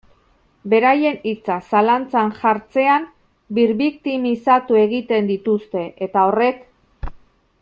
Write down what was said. Beraien hitza zalantzan jartzean birbiktimizatu egiten dituzte, eta horrek.